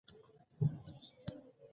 د ددوى په اند اساسي علت يې د ښځې جسم دى.